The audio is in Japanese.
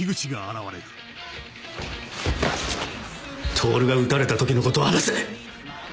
透が撃たれた時のことを話せ！